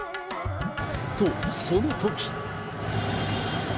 と、そのとき。